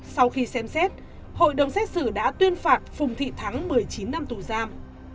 sau khi xem xét hội đồng xét xử đã tuyên phạt phùng thị thắng một mươi chín năm tù giam